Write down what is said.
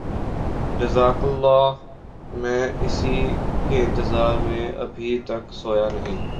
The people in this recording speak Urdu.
جزاک اللہ میں اسی کے انتظار میں ابھی تک سویا نہیں